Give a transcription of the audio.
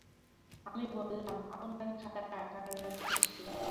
আমি বললাম, আপনার খাতাটা কাল রাতে পড়ে শেষ করেছি।